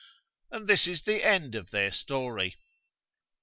And this is the end of their story.